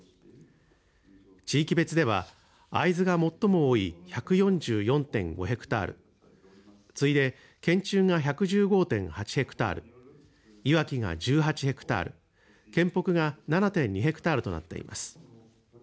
地域別では会津が最も多い１４４．５ヘクタール次いで県中が１１５．８ヘクタールいわきが１８ヘクタール県北が７．２ヘクタールとなっています。